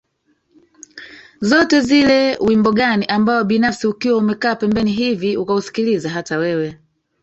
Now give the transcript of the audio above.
zote zile wimbo gani ambao binafsi ukiwa umekaa pembeni hivi ukausikiliza hata wewe